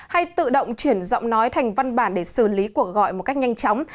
hay tự động chuyển giọng nói thành văn bản để xử lý cuộc gọi một cách nhanh chóng